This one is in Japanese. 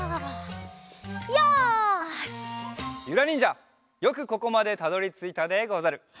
ゆらにんじゃよくここまでたどりついたでござる。